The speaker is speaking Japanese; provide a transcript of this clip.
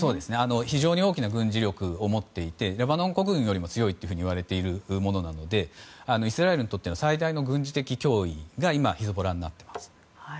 非常に大きな軍事力を持っていてレバノン国軍より強いといわれているのでイスラエルにとっての最大の軍事的脅威が今、ヒズボラになっています。